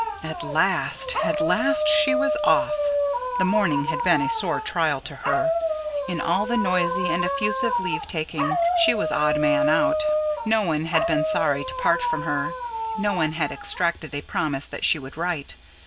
At last at last she was off. The morning had been a sore trial to her: in all the noisy and effusive leave taking, she was odd man out; no one had been sorry to part from her; no one had extracted a promise that she would write.